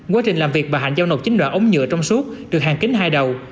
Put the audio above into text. quá trình làm việc bà hạnh giao nộp chín đoạn ống nhựa trong suốt được hàng kính hai đầu